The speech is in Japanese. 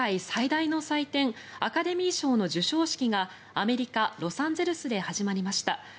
最大の祭典アカデミー賞の授賞式がアメリカ・ロサンゼルスで始まりました。